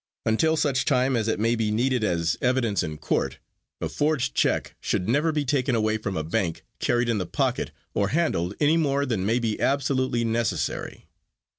Until such time as it may be needed as evidence in court, a forged check should never be taken away from a bank, carried in the pocket, or handled any more than may be absolutely necessary.